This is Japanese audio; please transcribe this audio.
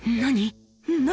何？